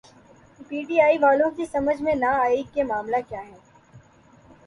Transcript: پی ٹی آئی والوں کی سمجھ میں نہ آئی کہ معاملہ کیا ہے۔